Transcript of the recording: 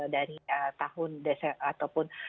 dari tahun ataupun